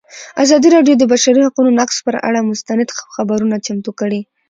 ازادي راډیو د د بشري حقونو نقض پر اړه مستند خپرونه چمتو کړې.